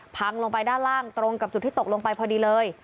พังลงไปด้านล่างตรงกับจุดที่ตกลงไปพอดีเลย